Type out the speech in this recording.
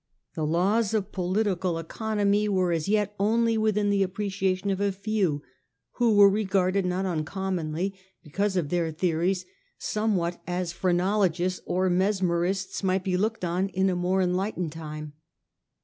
The laws of political eco 1837 8 . THOM AND HIS DISCIPLES. 101 nomy were as yet only within the appreciation of a few, who were regarded not uncommonly, because of their theories, somewhat as phrenologists or mes merists might be looked on in a more enlightened time.